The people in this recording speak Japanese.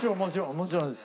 もちろんです。